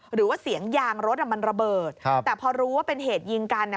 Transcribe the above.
หรือว่าเสียงยางรถอ่ะมันระเบิดครับแต่พอรู้ว่าเป็นเหตุยิงกันเนี่ย